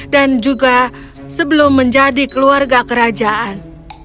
dan juga sebelum menjadi keluarga kerajaan